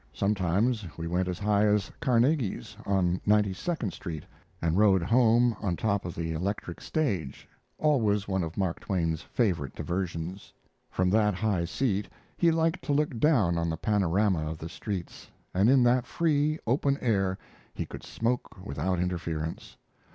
Sometimes we went as high as Carnegie's, on Ninety second Street, and rode home on top of the electric stage always one of Mark Twain's favorite diversions. From that high seat he liked to look down on the panorama of the streets, and in that free, open air he could smoke without interference.